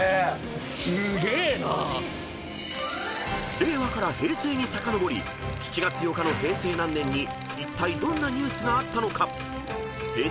［令和から平成にさかのぼり７月８日の平成何年にいったいどんなニュースがあったのかＨｅｙ！